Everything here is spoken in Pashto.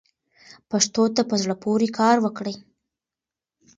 پښتو ته په زړه پورې کار وکړئ.